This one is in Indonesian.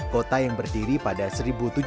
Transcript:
kota yang berdiri pada seribu